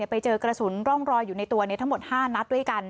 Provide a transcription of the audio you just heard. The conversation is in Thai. ไปเจอกระสุนร่องรอยอยู่ในตัวทั้งหมด๕นัดด้วยกัน